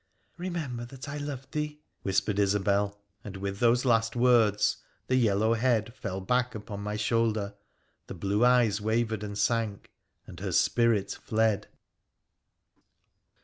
' Remember that I loved thee !' whispered Isobel, and, with those last words, the yellow head fell back upon my shoulder, the blue eyes wavered and sank, and her spirit fled.